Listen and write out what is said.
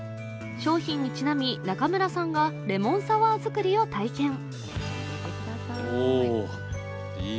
商品にちなみ、中村さんがレモンサワー作りを体験。